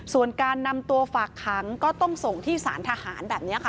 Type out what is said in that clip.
ส่วนการนำตัวฝากขังก็ต้องส่งที่สารทหารแบบนี้ค่ะ